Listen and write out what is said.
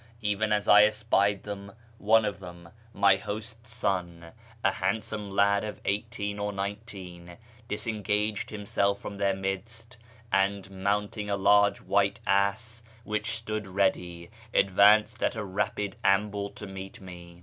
Even as I espied them, one of them, my host's son, a handsome lad of eighteen or nineteen, disengaged himself from their midst, and, mounting a large white ass which stood ready, advanced at a rapid amble to meet me.